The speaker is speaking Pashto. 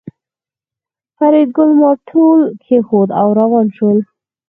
فریدګل مارتول کېښود او روان شو